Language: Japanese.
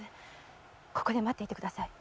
ここで待っていてください。